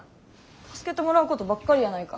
助けてもらうことばっかりやないか。